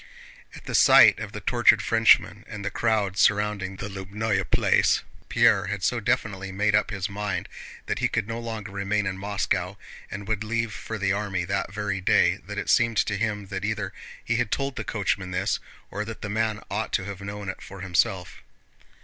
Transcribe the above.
At the sight of the tortured Frenchman and the crowd surrounding the Lóbnoe Place, Pierre had so definitely made up his mind that he could no longer remain in Moscow and would leave for the army that very day that it seemed to him that either he had told the coachman this or that the man ought to have known it for himself.